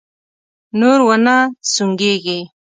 نور و نه سونګېږې!